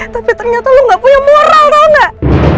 tapi ternyata lo gak punya moral tau gak